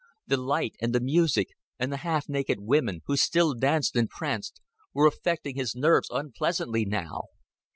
The light, and the music, and the half naked women, who still danced and pranced, were affecting his nerves unpleasantly now.